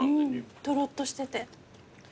とろっとしてて。